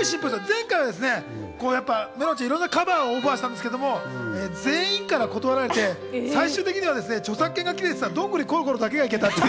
前回はめろんちゃん、いろんなカバーをオファーしたんですけど、全員から断られて、最終的には著作権が切れていた『どんぐりころころ』だけが行けたっていう。